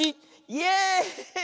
「イエーイ！」